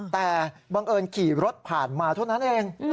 แต่บังเอิญขี่รถผ่านมาเท่านั้นเอง